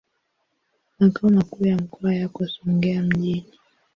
Makao makuu ya mkoa yako Songea mjini.